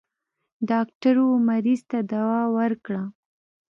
ډاکټر و مريض ته دوا ورکړه.